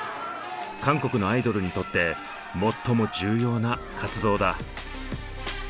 韓国のアイドルにとって最も重要な活動だ。